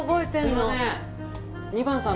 すいません